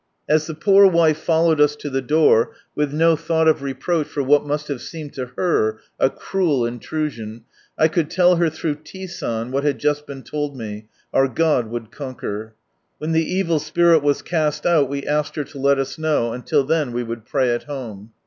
As the poor wife followed us to the door, with no thought of reproach for what must have seemed to her a cruel intrusion, I could tell her through T. San, what had just been lold me, our God would conquer. When the evil spirit was cast out, we asked her to let us know, until then we would pray at home.